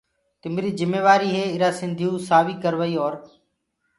تيريٚ جميوآريٚ هي ايرآ سنڌيئو سآويٚ ڪروآئيٚ اور